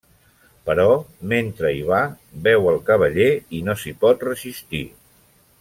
Però mentre hi va, veu el cavaller i no s'hi pot resistir.